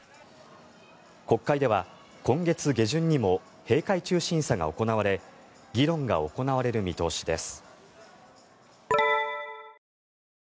国会では今月下旬にも閉会中審査が行われ議論が行われる見通しです。